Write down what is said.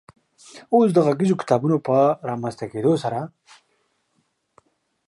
اوس د غږیزو کتابونو په رامنځ ته کېدو سره